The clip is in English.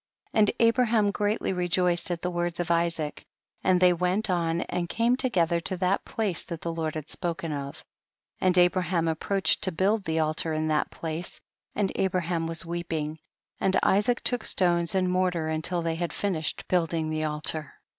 57. And Abraham greatly rejoiced at the words of Isaac, and they went on and came together to that place that the Lord had spoken of. 58. And Abraham approached to build the altar in that place, and Abraham was weeping, and Isaac took stones and mortar until thev had finished building the altar.